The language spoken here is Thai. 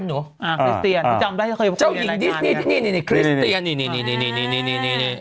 จ้ะจ้ะพี่จำมาว่าจะเคยเรียนรายการนี่นี่คริสเตียน